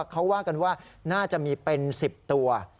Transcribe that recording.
เขาว่ากันว่าน่าจะมีเป็น๑๐ตัว